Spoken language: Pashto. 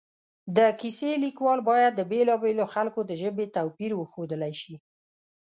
د کیسې لیکوال باید د بېلا بېلو خلکو د ژبې توپیر وښودلی شي